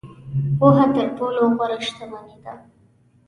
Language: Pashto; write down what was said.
• پوهه تر ټولو غوره شتمني ده.